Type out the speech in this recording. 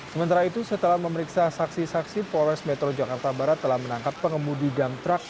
sementara itu setelah memeriksa saksi saksi polres metro jakarta barat telah menangkap pengemudi dump truck